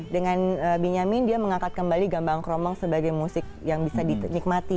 dengan benyamin dia mengangkat kembali gambang kromong sebagai musik yang bisa dinikmati